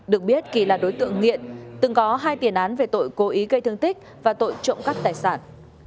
được biết kỳ là đối tượng nghiện từng có hai tiền án về tội cố ý gây thương tích và tội trộm cắp tài sản